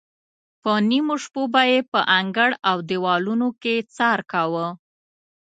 په نیمو شپو به یې په انګړ او دیوالونو کې څار کاوه.